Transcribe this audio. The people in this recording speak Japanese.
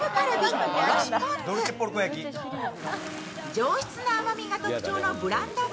上質な甘みが特徴のブランド豚、